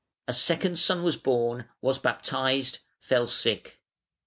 A second son was born, was baptised, fell sick.